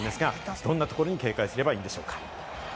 どんなところに警戒すればいいんでしょうか？